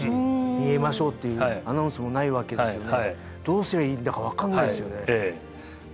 逃げましょうっていうアナウンスもないわけですよね。